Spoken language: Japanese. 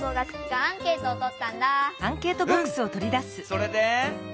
それで？